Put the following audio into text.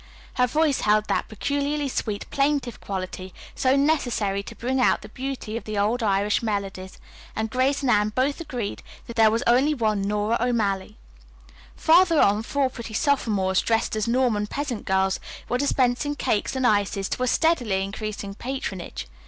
Her voice held that peculiarly sweet, plaintive quality so necessary to bring out the beauty of the old Irish melodies, and Grace and Anne both agreed that there was only one who could surpass her. There was only one Nora O'Malley. Farther on four pretty sophomores, dressed as Norman peasant girls, were dispensing cakes and ices to a steadily increasing patronage.